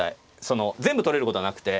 その全部取れることはなくて。